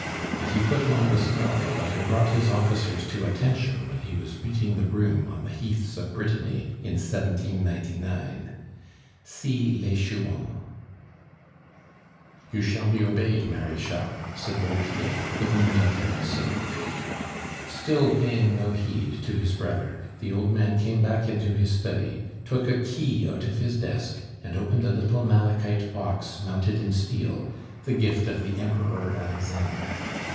And he put on the scowl that had brought his soldiers to attention when he was beating the broom on the heaths of Brittany in 1799. (See Les Chouans.) "You shall be obeyed, Marechal," said Beau Pied, with a military salute. Still paying no heed to his brother, the old man came back into his study, took a key out of his desk, and opened a little malachite box mounted in steel, the gift of the Emperor Alexander.